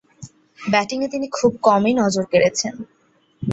ব্যাটিংয়ে তিনি খুব কমই নজর কেড়েছেন।